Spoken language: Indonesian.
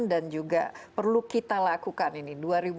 dan juga perlu kita lakukan ini